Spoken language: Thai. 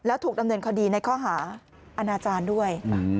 และถูกดำเนินคดีในข้ออาชาราชีพด้วย